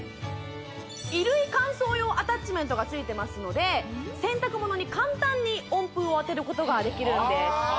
衣類乾燥用アタッチメントがついてますので洗濯物に簡単に温風をあてることができるんですあ